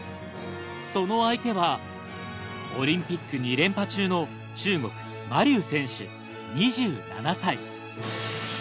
その相手はオリンピック２連覇中の中国馬龍選手２７歳。